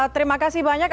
terima kasih banyak